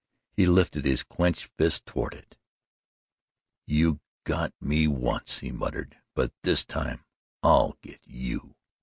He lifted his clenched fist toward it: "You got ME once," he muttered, "but this time I'll get YOU."